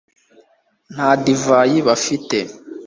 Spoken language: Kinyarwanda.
nta divayi bafite